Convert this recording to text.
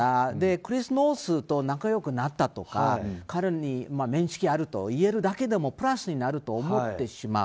クリス・ノースと仲良くなったとか彼と面識があると言えるだけでもプラスになると思ってしまう。